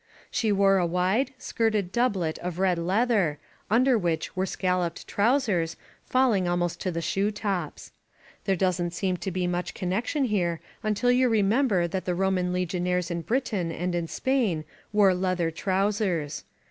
She wore a ^de, skirted doublet of red leather, under which were scalloped trousers, fall ing almost to the shoe tops. There doesn't seem to be much connection here until you remember that the Roman legionaries in Britain and in Spain wore leather trousers.